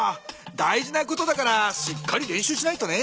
大事なことだからしっかり練習しないとね。